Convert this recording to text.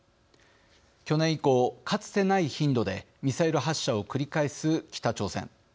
去年以降かつてない頻度でミサイル発射を繰り返す北朝鮮。